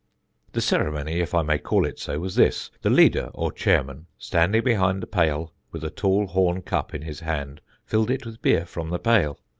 "The ceremony, if I may call it so, was this: The leader, or chairman, standing behind the pail with a tall horn cup in his hand, filled it with beer from the pail.